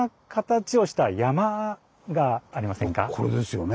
これですよね。